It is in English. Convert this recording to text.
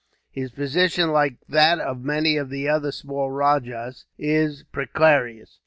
His position, like that of many of the other small rajahs, is precarious.